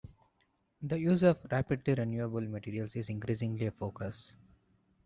The use of rapidly renewable materials is increasingly a focus.